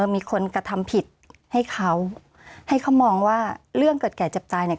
มีคนกระทำผิดให้เขาให้เขามองว่าเรื่องเกิดแก่เจ็บตายเนี่ย